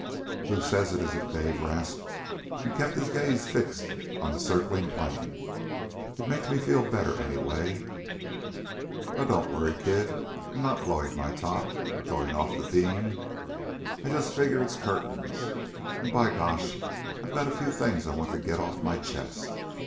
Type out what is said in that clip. "Who says it isn't?" Dave rasped, and kept his gaze fixed on the circling plane. "It makes me feel better, anyway. Oh, don't worry, kid. I'm not blowing my top, or going off the beam. I just figure it's curtains, and, by gosh, I've got a few things I want to get off my chest.